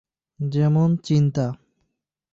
যেমনটা, চিন্তা।